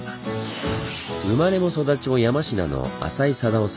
生まれも育ちも山科の浅井定雄さん。